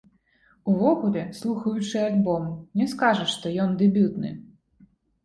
Увогуле, слухаючы альбом, не скажаш, што ён дэбютны.